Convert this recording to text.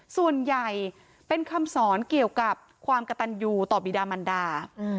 ส่วนใหญ่เป็นคำสอนเกี่ยวกับความกระตันอยู่ต่อบีดามันดา